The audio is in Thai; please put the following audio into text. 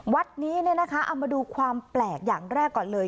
วัดนี้เอามาดูความแปลกอย่างแรกก่อนเลย